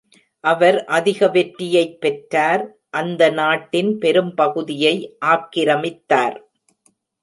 அவர் அதிக வெற்றியைப் பெற்றார், அந்த நாட்டின் பெரும்பகுதியை ஆக்கிரமித்தார்.